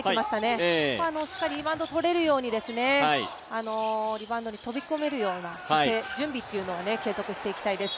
ここはしっかりリバウンドとれるように、リバウンドに飛び込めるような姿勢、準備を継続していきたいです